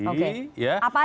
apa saja bang